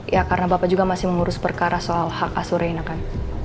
ya karena bapak juga masih mengurus perkara soal hak asure ini kan